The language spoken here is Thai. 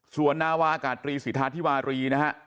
ส่วนนาวาอากาศตรีสิทธาธิวารีนะฮะ